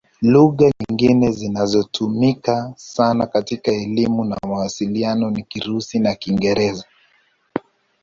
Lugha nyingine zinazotumika sana katika elimu na mawasiliano ni Kirusi na Kiingereza.